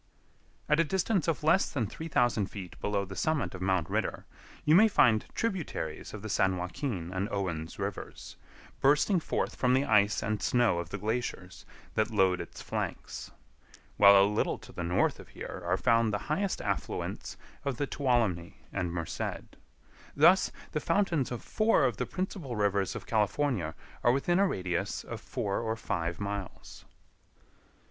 [Illustration: MAP OF THE YOSEMITE VALLEY] At a distance of less than 3000 feet below the summit of Mount Ritter you may find tributaries of the San Joaquin and Owen's rivers, bursting forth from the ice and snow of the glaciers that load its flanks; while a little to the north of here are found the highest affluents of the Tuolumne and Merced. Thus, the fountains of four of the principal rivers of California are within a radius of four or five miles.